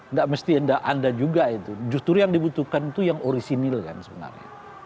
nggak mesti ada juga itu justru yang dibutuhkan itu yang orisinil kan sebenarnya